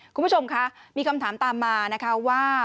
คุณผู้ชมคะมีคำถามตามมานะคะว่า